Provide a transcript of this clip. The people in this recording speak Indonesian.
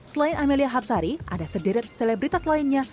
selain amelia habsari ada sedikit selebritas lainnya